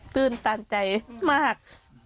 ตื่นตันใจมาก